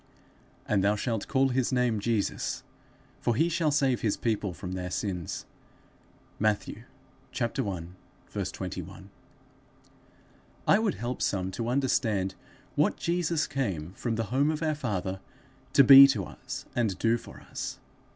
and thou shalt call his name Jesus; for he shall save his people from their sins. Matthew i. 21. I would help some to understand what Jesus came from the home of our Father to be to us and do for us.